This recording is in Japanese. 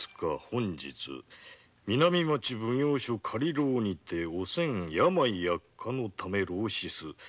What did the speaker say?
本日南町奉行所仮牢にておせん病悪化のため牢死す。